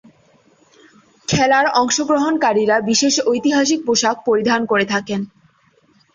খেলার অংশগ্রহণকারীরা বিশেষ ঐতিহাসিক পোশাক পরিধান করে থাকেন।